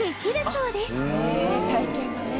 そうですね。